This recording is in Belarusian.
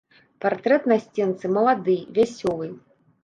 Партрэт на сценцы малады, вясёлы.